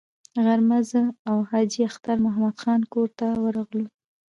غرمه زه او حاجي اختر محمد خان کور ته ورغلو.